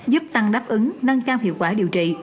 giúp tăng đáp ứng nâng cao hiệu quả điều trị